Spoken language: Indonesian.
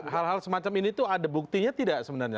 hal hal semacam ini tuh ada buktinya tidak sebenarnya